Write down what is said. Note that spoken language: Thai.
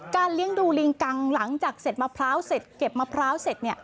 การเลี้ยงดูลิงกังหลังจากเก็บมะพร้าวเสร็จ